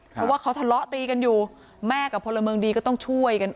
เพราะว่าเขาทะเลาะตีกันอยู่แม่กับพลเมืองดีก็ต้องช่วยกัน